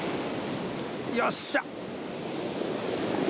よっしゃ！